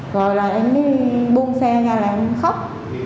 rồi là em đi buông xe ra là em khóc